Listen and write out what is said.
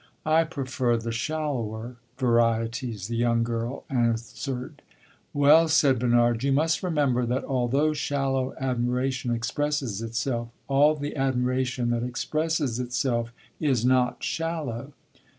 "I prefer the shallower varieties," the young girl answered. "Well," said Bernard, "you must remember that although shallow admiration expresses itself, all the admiration that expresses itself is not shallow."